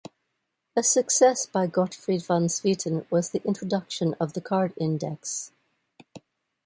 A success by Gottfried van Swieten was the introduction of the card index.